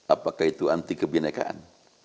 apakah itu anti kebenekaan